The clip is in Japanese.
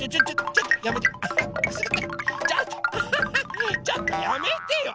ちょっとやめてよ！